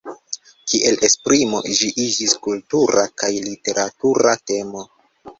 Kiel esprimo ĝi iĝis kultura kaj literatura temo.